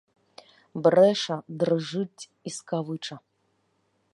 Брэша, дрыжыць і скавыча.